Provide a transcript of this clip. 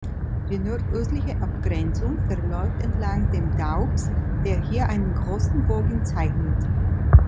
Die nordöstliche Abgrenzung verläuft entlang dem Doubs, der hier einen großen Bogen zeichnet.